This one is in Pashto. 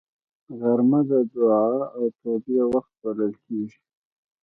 غرمه د دعا او توبې وخت بلل کېږي